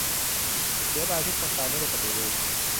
"เสียดายคนตายไม่ได้ปฏิรูป"